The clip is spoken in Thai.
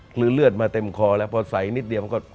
เลือดมาเต็มคอแล้วพอใส่นิดเดียวมันก็